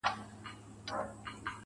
له څه مودې ترخ يم خـــوابــــدې هغه.